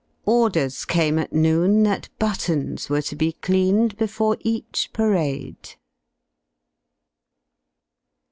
Orders came at noon that buttons were '^>Jii ^ to be cleaned before each parade.